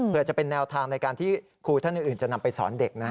เพื่อจะเป็นแนวทางในการที่ครูท่านอื่นจะนำไปสอนเด็กนะ